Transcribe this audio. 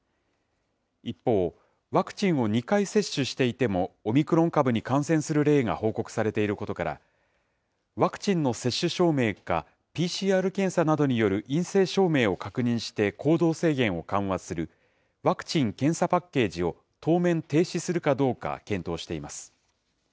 一方、ワクチンを２回接種していても、オミクロン株に感染する例が報告されていることから、ワクチンの接種証明かＰＣＲ検査などによる陰性証明を確認して行動制限を緩和する、ワクチン・検査パッケージを、当面、停止するかどうか検討しています。